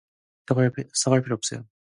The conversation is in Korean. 사과할 필요 없어요.